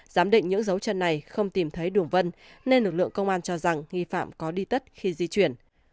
giám định những dấu chân này không tìm thấy đường vân nên lực lượng công an cho rằng nghi phạm có đi tất khi di chuyển